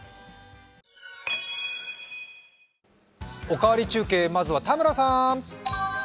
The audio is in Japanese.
「おかわり中継」まずは田村さん。